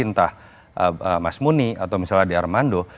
entah mas muni atau misalnya de armando